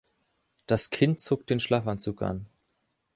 Das Kind zog den Schlafanzug an.